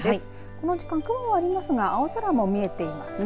この時間、雲はありますが青空も見えていますね。